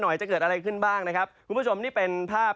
จะเกิดอะไรขึ้นบ้างนะครับคุณผู้ชมนี่เป็นภาพ